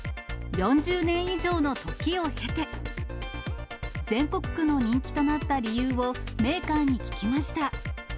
４０年以上の時を経て、全国区の人気となった理由をメーカーに聞きました。